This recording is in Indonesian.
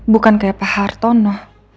bukan kayak pak hartono